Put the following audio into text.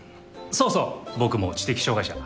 そうそう僕も知的障がい者。